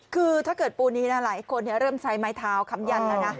คือถ้าเกิดปู่นี้หลายคนเนี่ยเริ่มใส่ไม้เท้าคำยังนั่นนะ